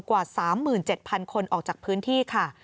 กว่า๓๗๐๐คนออกจากพื้นที่ค่ะ